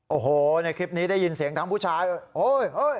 โอ้โหในคลิปนี้ได้ยินเสียงทั้งผู้ชายโอ๊ย